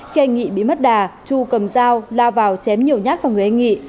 khi anh nghị bị mất đà chu cầm dao lao vào chém nhiều nhát vào người anh nghị